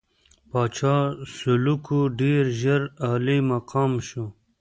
پاچا سلوکو ډېر ژر عالي مقام شو.